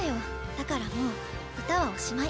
だからもう歌はおしまい。